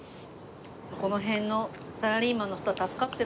この辺のサラリーマンの人は助かってるだろうね。